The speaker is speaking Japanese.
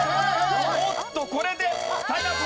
おっとこれでタイムアップ。